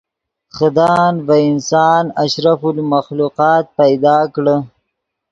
خدآن ڤے انسان اشرف المخلوقات پیدا کڑے